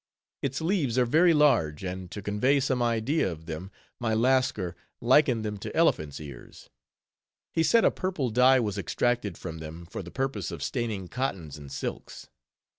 Its leaves are very large; and to convey some idea of them, my Lascar likened them to elephants' ears. He said a purple dye was extracted from them, for the purpose of staining cottons and silks.